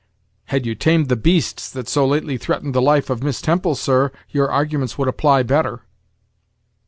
"Had you tamed the beasts that so lately threatened the life of Miss Temple, sir, your arguments would apply better."